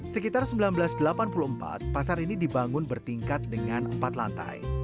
sekitar seribu sembilan ratus delapan puluh empat pasar ini dibangun bertingkat dengan empat lantai